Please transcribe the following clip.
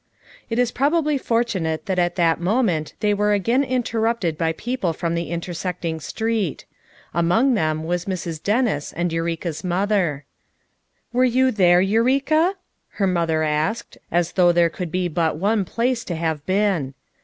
It is probably fortunate that at that mo ment they were again interrupted by people from the intersecting street. Among them was Mrs. Dennis and Eureka's mother. "Were you there, Eureka?" her mother asked, as though there could be but one place to have been.